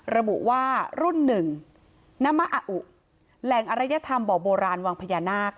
ระบุว่ารุ่นหนึ่งน้ำมะออุแหล่งอรยธรรมบ่อโบราณวังพญานาค